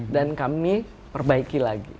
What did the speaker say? dan kami perbaiki lagi